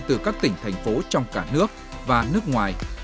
từ các tỉnh thành phố trong cả nước và nước ngoài